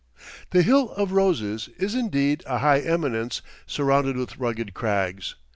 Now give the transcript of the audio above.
The "Hill of Roses" is indeed "a high eminence surrounded with rugged crags."